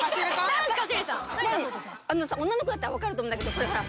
あのさ女の子だったら分かると思うんだけどこれほら。